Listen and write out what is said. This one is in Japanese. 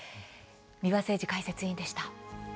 三輪誠司解説委員でした。